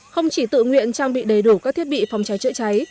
không chỉ tự nguyện trang bị đầy đủ các thiết bị phòng cháy chữa cháy